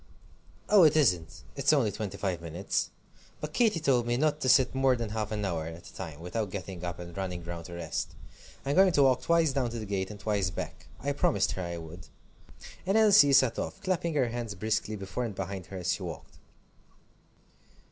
"Oh, it isn't it's only twenty five minutes. But Katy told me not to sit more than half an hour at a time without getting up and running round to rest. I'm going to walk twice down to the gate, and twice back. I promised her I would." And Elsie set off, clapping her hands briskly before and behind her as she walked.